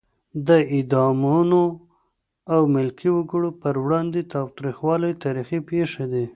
د اعدامونو او ملکي وګړو پر وړاندې تاوتریخوالی تاریخي پېښې دي.